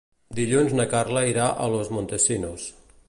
Dilluns na Carla irà a Los Montesinos.